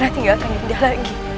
kau tidak mau kehilangan ayahanda lagi